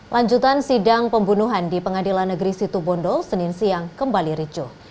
lanjutan sidang pembunuhan di pengadilan negeri situ bondo senin siang kembali ricoh